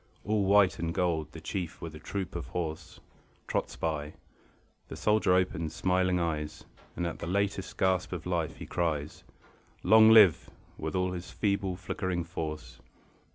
All white and gold the Chief with a troop of horse Trots by. The soldier opens smiling eyes; And at the latest gasp of life he cries: "Long live!" with all his feeble flickering force.